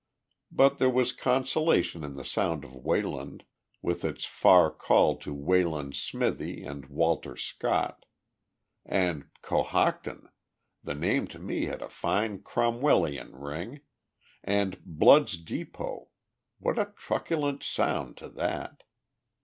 But there was consolation in the sound of Wayland, with its far call to Wayland's smithy and Walter Scott. And Cohocton! The name to me had a fine Cromwellian ring; and Blood's Depôt what a truculent sound to that!